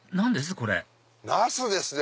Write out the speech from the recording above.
これナスですよ。